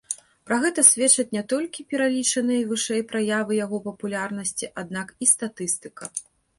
Пра гэта сведчаць не толькі пералічаныя вышэй праявы яго папулярнасці, аднак і статыстыка.